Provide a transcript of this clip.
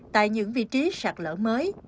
tại những vị trí sạt lở mới